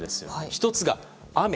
１つが、雨。